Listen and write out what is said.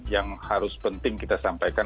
yang harus penting kita sampaikan